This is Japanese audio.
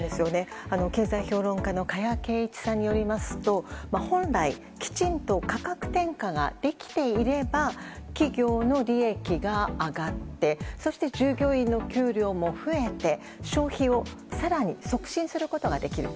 経済評論家の加谷珪一さんによりますと本来、きちんと価格転嫁ができていれば企業の利益が上がってそして、従業員の給料も増えて消費を更に促進することができる。